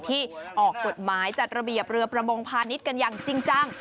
ที่ออกกฎหมายจัดระเบียบเรือประมงพาณิชย์กันอย่างจริงจัง